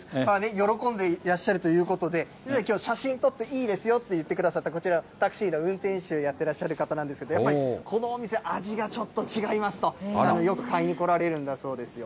喜んでいらっしゃるということで、きょう、写真撮っていいですよって言ってくださったこちら、タクシーの運転手やってらっしゃる方なんですが、やっぱりこのお店、味がちょっと違いますと、よく買いに来られるんだそうですよ。